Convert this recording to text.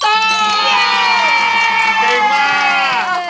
จริงมาก